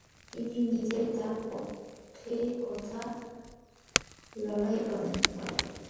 তিনি নিজেই তার পক্ষে কথা লড়াই করেন।